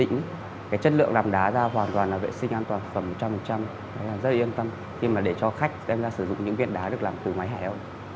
nhưng mà để cho khách đem ra sử dụng những biên đá được làm từ máy hải ô